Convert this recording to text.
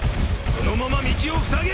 そのまま道をふさげ！